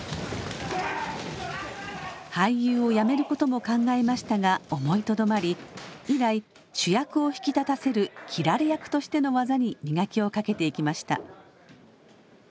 俳優をやめることも考えましたが思いとどまり以来主役を引き立たせる斬られ役としての技に磨きをかけていきました。